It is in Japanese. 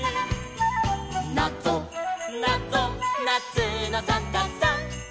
「なぞなぞなつのサンタさん」